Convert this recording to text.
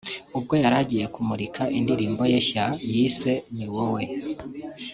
ubwo yari yagiye kumurika indirimbo ye nshya yise ‘Ni wowe’